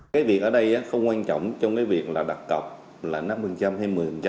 cái việc ở đây không quan trọng trong cái việc là đặt cọc là năm mươi hay một mươi